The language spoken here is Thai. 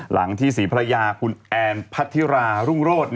หลังที่ศรีภรรยาคุณแอนพัทธิรารุ่งโรธ